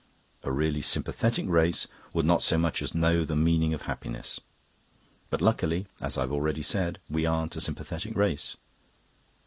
A really sympathetic race would not so much as know the meaning of happiness. But luckily, as I've already said, we aren't a sympathetic race.